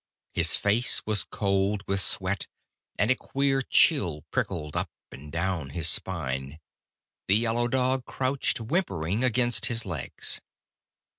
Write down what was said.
His face was cold with sweat, and a queer chill prickled up and down his spine. The yellow dog crouched whimpering against his legs.